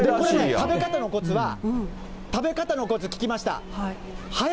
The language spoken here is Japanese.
食べ方のこつは、食べ方のこつ、聞きました。